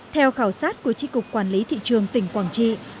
theo khảo sát của tri cục quản lý thị trường tỉnh quảng trị